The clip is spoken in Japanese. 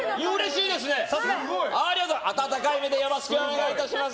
温かい目でよろしくお願いします。